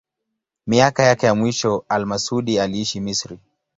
Miaka yake ya mwisho al-Masudi aliishi Misri.